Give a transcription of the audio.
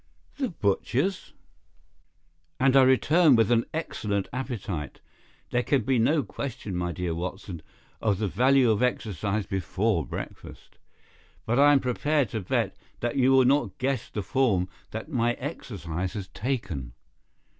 "The butcher's?" "And I return with an excellent appetite. There can be no question, my dear Watson, of the value of exercise before breakfast. But I am prepared to bet that you will not guess the form that my exercise has taken."